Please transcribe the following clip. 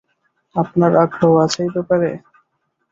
আপনার আগ্রহ আছে এই ব্যাপারে?